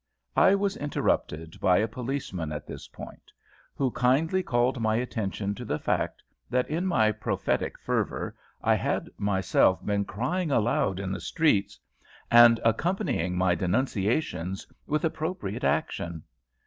I was interrupted by a policeman at this point, who kindly called my attention to the fact that in my prophetic fervour I had myself been crying aloud in the streets, and accompanying my denunciations with appropriate action.